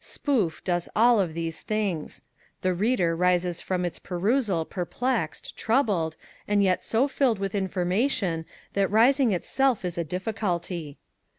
SPOOF does all of these things. The reader rises from its perusal perplexed, troubled, and yet so filled with information that rising itself is a difficulty.